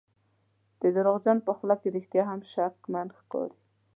د دروغجن په خوله کې رښتیا هم شکمن ښکاري.